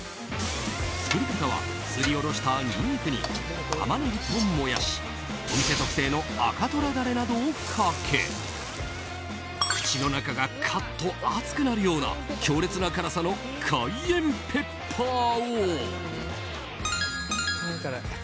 作り方はすりおろしたニンニクにタマネギとモヤシお店特製の赤トラだれなどをかけ口の中がカッと熱くなるような強烈な辛さのカイエンペッパーを。